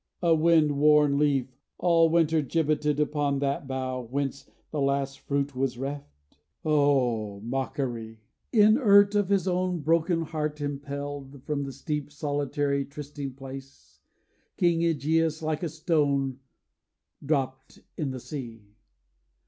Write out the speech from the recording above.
a wind worn leaf All winter gibbeted upon that bough Whence the last fruit was reft? O mockery! Inert, of his own broken heart impelled, From the steep, solitary trysting place, King Ægeus, like a stone, dropped in the sea.